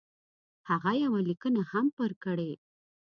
هغه یوه لیکنه هم پر کړې.